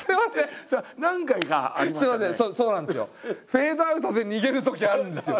フェードアウトで逃げるときあるんですよ。